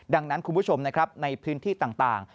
ดังนั้นคุณผู้ชมนะครับในพื้นที่ต่าง